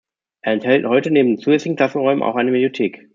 Er enthält heute neben zusätzlichen Klassenräumen auch eine Mediothek.